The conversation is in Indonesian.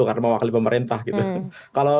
karena mewakili pemerintah gitu